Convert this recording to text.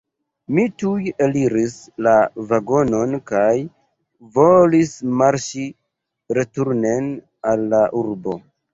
Mi tuj eliris la vagonon kaj volis marŝi returnen al la urbo.